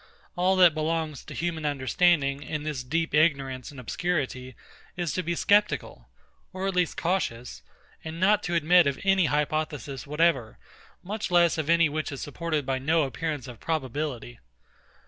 All that belongs to human understanding, in this deep ignorance and obscurity, is to be sceptical, or at least cautious, and not to admit of any hypothesis whatever, much less of any which is supported by no appearance of probability.